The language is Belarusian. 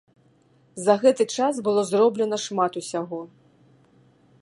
За гэты час было зроблена шмат усяго.